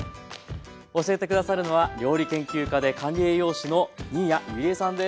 教えて下さるのは料理研究家で管理栄養士の新谷友里江さんです。